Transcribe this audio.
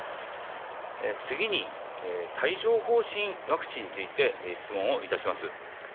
次に、帯状ほう疹ワクチンについて質問をいたします。